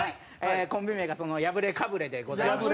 コンビ名がやぶれかぶれでございます。